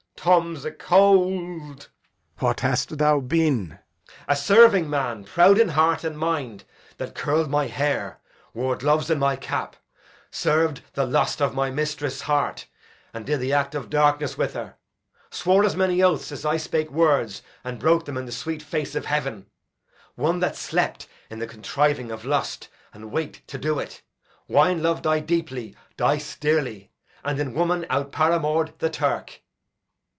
Tom 's acold. Lear. What hast thou been? Edg. A servingman, proud in heart and mind; that curl'd my hair, wore gloves in my cap; serv'd the lust of my mistress' heart and did the act of darkness with her; swore as many oaths as I spake words, and broke them in the sweet face of heaven; one that slept in the contriving of lust, and wak'd to do it. Wine lov'd I deeply, dice dearly; and in woman out paramour'd the Turk.